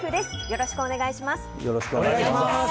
よろしくお願いします。